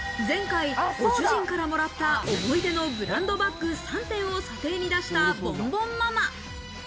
前回、ご主人からもらった思い出のブランドバッグ３点を査定に出したボンボンママ。